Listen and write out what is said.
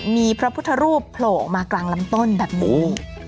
มีพระพุทธรูปโผล่ออกมากลางลำต้นแบบนี้